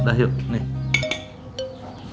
udah yuk nih